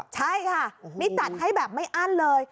ใช่ค่ะนี่จัดให้แบบไม่อั้นเลย